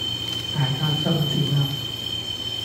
大家心照啦